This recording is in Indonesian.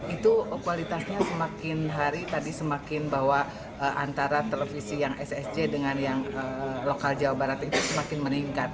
itu kualitasnya semakin hari tadi semakin bahwa antara televisi yang ssc dengan yang lokal jawa barat itu semakin meningkat